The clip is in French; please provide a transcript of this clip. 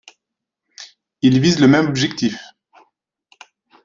Il vise le même objectif.